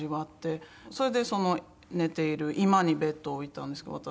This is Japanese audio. それで寝ている居間にベッドを置いたんですけど私が。